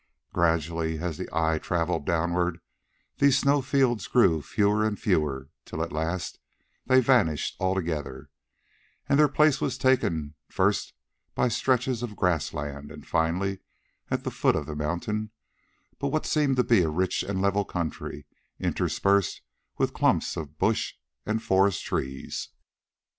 Gradually, as the eye travelled downward, these snow fields grew fewer and fewer, till at last they vanished altogether, and their place was taken, first by stretches of grass land, and finally, at the foot of the mountain, by what seemed to be a rich and level country interspersed with clumps of bush and forest trees.